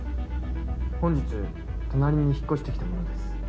本日隣に引っ越してきた者です。